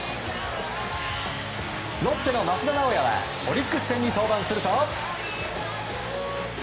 ロッテの益田直也はオリックス戦に登板すると。